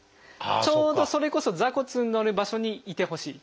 ちょうどそれこそ座骨にのる場所にいてほしい。